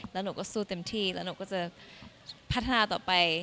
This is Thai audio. แล้วหนูก็สู้เต็มที่แล้วหนูก็จะพัฒนาต่อไป